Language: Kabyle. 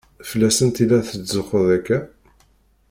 Fell-asent i la tetzuxxuḍ akka?